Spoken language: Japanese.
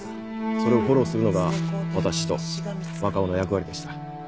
それをフォローするのが私と若尾の役割でした。